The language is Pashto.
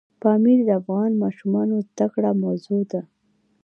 پامیر د افغان ماشومانو د زده کړې موضوع ده.